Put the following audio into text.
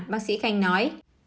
bác sĩ khanh nói